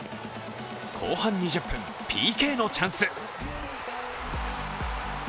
後半２０分、ＰＫのチャンス。